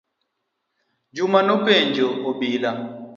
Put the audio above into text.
Juma nopenjo obila.